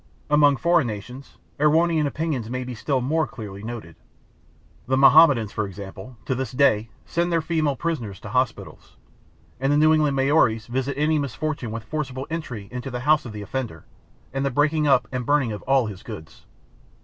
Among foreign nations Erewhonian opinions may be still more clearly noted. The Mahommedans, for example, to this day, send their female prisoners to hospitals, and the New Zealand Maories visit any misfortune with forcible entry into the house of the offender, and the breaking up and burning of all his goods.